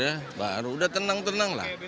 ya baru sudah tenang tenang